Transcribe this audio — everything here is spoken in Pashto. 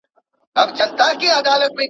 ولي مورنۍ ژبه د زده کړې دوام ته هڅونه ورکوي؟